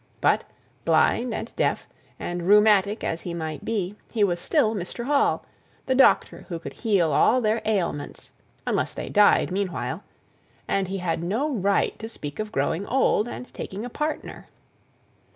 But, blind and deaf, and rheumatic as he might be, he was still Mr. Hall the doctor who could heal all their ailments unless they died meanwhile and he had no right to speak of growing old, and taking a partner.